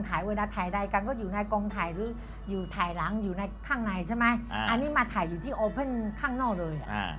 แบบแบบนี้มาใช้พลังในชั้นที่เป็นที่ห้ามจริง